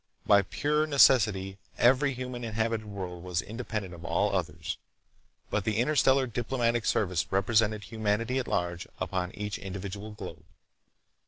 By pure necessity every human inhabited world was independent of all others, but the Interstellar Diplomatic Service represented humanity at large upon each individual globe.